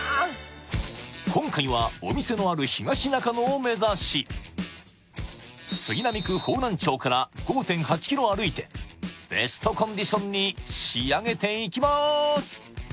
今回はお店のある東中野を目指し杉並区方南町から５．８ｋｍ歩いてベストコンディションに仕上げていきます